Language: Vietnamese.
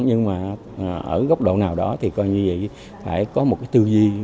nhưng mà ở góc độ nào đó thì coi như vậy phải có một cái tư duy